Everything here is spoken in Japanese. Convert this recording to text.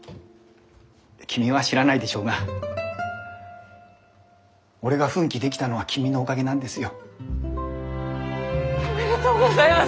君は知らないでしょうが俺が奮起できたのは君のおかげなんですよ。おめでとうございます！